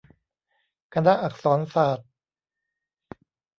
คณะอักษรศาสตร์